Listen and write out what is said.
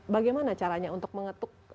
bagaimana caranya untuk mengetuk